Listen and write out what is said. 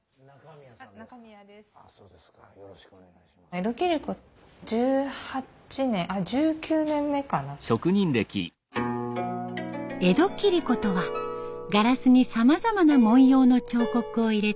江戸切子とはガラスにさまざまな文様の彫刻を入れた工芸品。